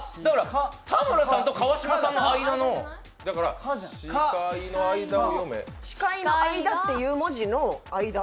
田村さんと川島さんの間の司会のあいだっていう文字の間？